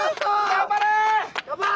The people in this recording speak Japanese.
頑張れ！